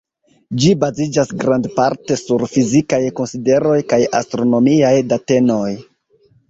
Ĝi baziĝas grandparte sur fizikaj konsideroj kaj astronomiaj datenoj.